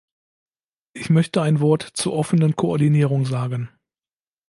Ich möchte ein Wort zur offenen Koordinierung sagen.